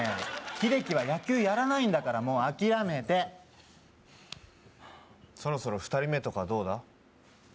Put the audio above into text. ヒデキは野球やらないんだからもう諦めてそろそろ２人目とかどうだ？